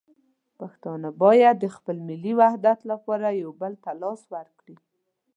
پښتانه باید د خپل ملي وحدت لپاره یو بل ته لاس ورکړي.